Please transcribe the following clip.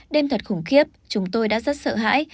đêm thật khủng khiếp chúng tôi đã rất sợ hãi